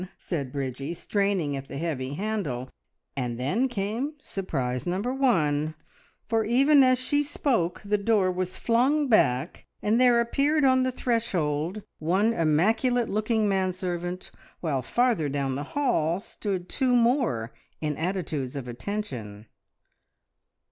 said Bridgie, straining at the heavy handle, and then came surprise number one, for even as she spoke the door was flung back, and there appeared on the threshold one immaculate looking man servant, while farther down the hall stood two more in attitudes of attention.